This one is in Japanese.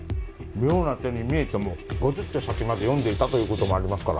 妙な手に見えても５０手先まで読んでいたという事もありますから。